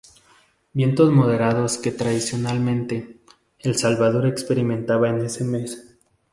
Vientos moderados que, tradicionalmente, El Salvador experimentaba en ese mes.